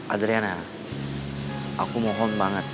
adriana aku mohon banget